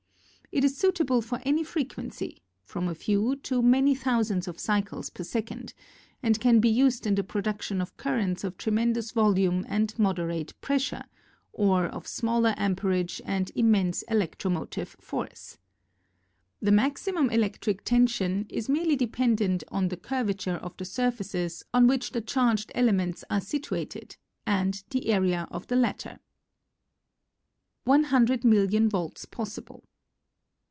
It is suitable for any frequency, from a few to many thousands of cycles per sec ond, and can be used in the production of currents of tremendous volume and moder ate pressure, or of smaller amperage and immense electro motive force. The maxi mum electric tension is merely dependent on the curvature of the surfaces on which the charged elements are situated and the area of the latter. 100 Million Volts Possible.